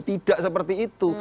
tidak seperti itu